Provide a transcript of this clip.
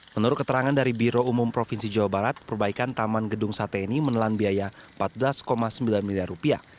menurut keterangan dari biro umum provinsi jawa barat perbaikan taman gedung sate ini menelan biaya rp empat belas sembilan miliar